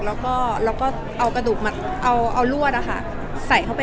แล้วก็เราก็เอากระดูกมาเอารวดอะค่ะใส่เข้าไป